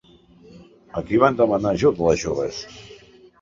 A qui van demanar ajut les joves?